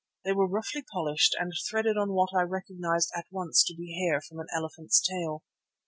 They were roughly polished and threaded on what I recognized at once to be hair from an elephant's tail.